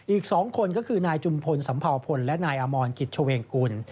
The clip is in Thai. อีก๒คนก็คือนายจุมพลสัมภาวพลและนายอมรกิจเฉวงกุล